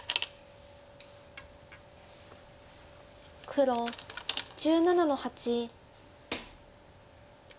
黒１７の八。